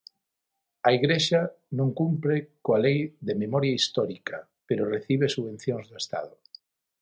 A Igrexa non cumpre coa Lei de Memoria Histórica, pero recibe subvencións do Estado.